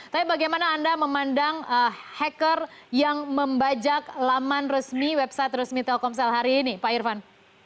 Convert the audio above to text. tapi bagaimana anda memandang hacker yang membajak laman resmi website resmi telkomsel hari ini pak irvan